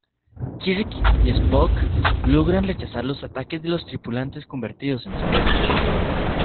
Kirk y Spock logran rechazar los ataques de los tripulantes convertidos en zombies.